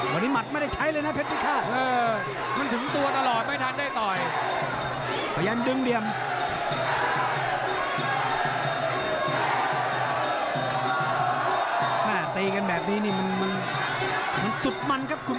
วันนี้หมัดไม่ได้ใช้เลยนะเพศพิค่า